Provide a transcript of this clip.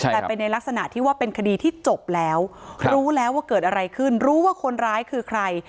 แต่เป็นในลักษณะที่ว่าเป็นคดีที่จบแล้วรู้แล้วว่าเกิดอะไรขึ้นรู้ว่าคนร้ายคือใคร